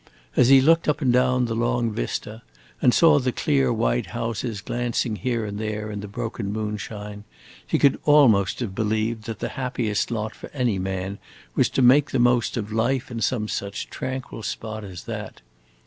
As he looked up and down the long vista, and saw the clear white houses glancing here and there in the broken moonshine, he could almost have believed that the happiest lot for any man was to make the most of life in some such tranquil spot as that.